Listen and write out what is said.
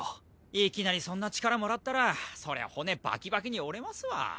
いきなりそんな力貰ったらそりゃ骨バキバキに折れますわ。